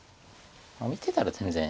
見てたら全然。